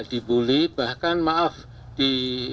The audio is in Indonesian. tapi kita harus tarik memori